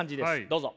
どうぞ。